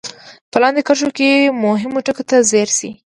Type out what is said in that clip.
په لاندې کرښو کې مهمو ټکو ته ځير شئ.